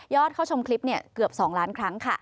เข้าชมคลิปเกือบ๒ล้านครั้งค่ะ